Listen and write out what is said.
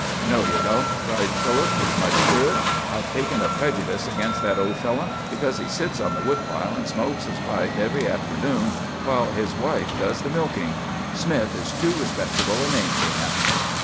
'" "No, you don't," cried Philip, with much spirit. "I've taken a prejudice against that old fellow, because he sits on the woodpile and smokes his pipe every afternoon while his wife does the milking. Smith is too respectable a name for him."